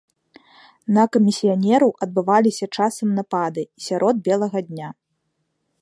На камісіянераў адбываліся часам напады і сярод белага дня.